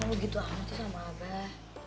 emang kalo gitu sama tuh sama abah